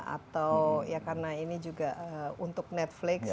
atau ya karena ini juga untuk netflix